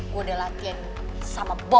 gue udah latihan sama bom